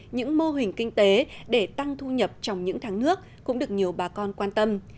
những mô hình kinh tế để tăng thu nhập trong những tháng nước cũng được nhiều bà con quan tâm